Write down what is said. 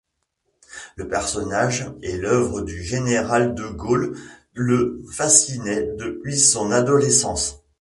Le personnage et l’œuvre du général de Gaulle le fascinaient depuis son adolescence.